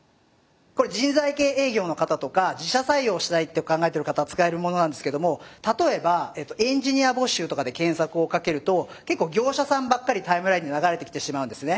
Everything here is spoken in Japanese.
これ人材系営業の方とか自社採用をしたいって考えてる方使えるものなんですけども例えばエンジニア募集とかで検索をかけると結構業者さんばっかりタイムラインに流れてきてしまうんですね。